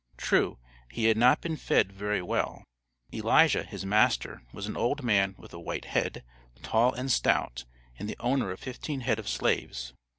True, he had "not been fed very well;" Elijah, his master, was an old man with a white head, tall and stout, and the owner of fifteen head of slaves.